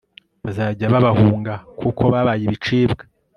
bazajya babahunga, kuko babaye ibicibwa